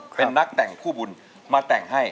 เป็นนักแต่งคู่บุญมาแต่งให้